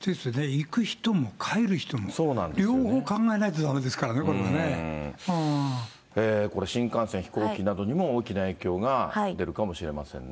行く人も帰る人も、両方考えないとだめですからね、これ、新幹線、飛行機などにも大きな影響が出るかもしれませんね。